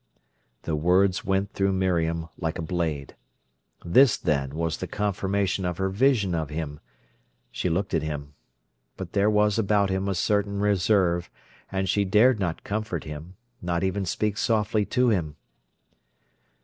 The words went through Miriam like a blade. This, then, was the confirmation of her vision of him! She looked at him. But there was about him a certain reserve, and she dared not comfort him, not even speak softly to him.